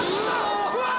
うわ！